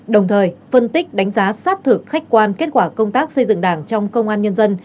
đồng thời phân tích đánh giá sát thực khách quan kết quả công tác xây dựng đảng trong công an nhân dân